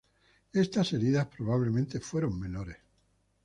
Estas heridas probablemente fueron menores.